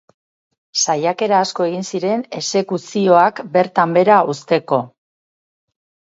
Saiakera asko egin ziren exekuzioak bertan behera uzteko.